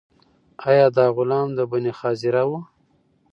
آیا دا غلام د بني غاضرة و؟